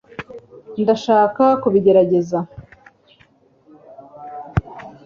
ndashaka kubigerageza